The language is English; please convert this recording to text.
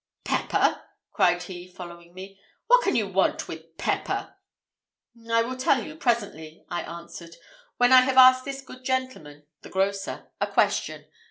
"Pepper!" cried he, following me; "what can you want with pepper?" "I will tell you presently," I answered, "when I have asked this good gentleman (the grocer) a question.